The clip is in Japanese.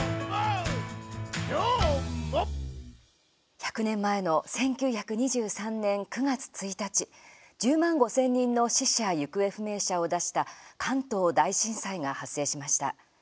１００年前の１９２３年９月１日１０万５０００人の死者、行方不明者を出した関東大震災が発生しました。